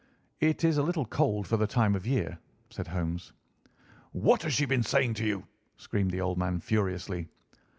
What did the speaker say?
"It is a little cold for the time of the year," said Holmes. "What has she been saying to you?" screamed the old man furiously.